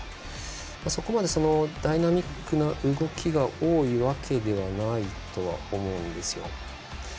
そこまで、ダイナミックな動きが多いわけではないと思うんです。